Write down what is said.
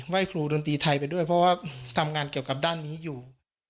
ครูดนตรีไทยไปด้วยเพราะว่าทำงานเกี่ยวกับด้านนี้อยู่